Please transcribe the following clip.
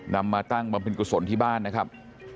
มาตั้งบำเพ็ญกุศลที่บ้านนะครับ